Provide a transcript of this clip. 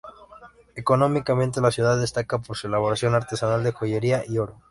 Económicamente la ciudad destaca por su elaboración artesanal de joyería y oro.